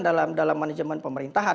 dalam manajemen pemerintahan